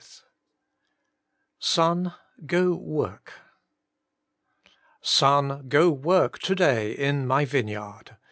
Ill Son, go Motft * Son, go work to day in my vineyard.'